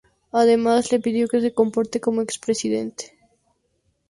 Además, le pidió "que se comporte como expresidente".